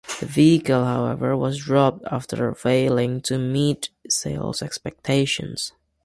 The vehicle, however, was dropped after failing to meet sales expectations.